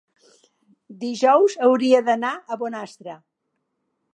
dijous hauria d'anar a Bonastre.